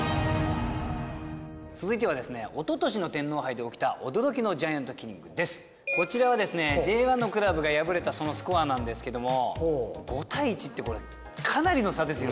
続いてはですねこちらはですねＪ１のクラブが敗れたそのスコアなんですけども５対１ってこれかなりの差ですよね。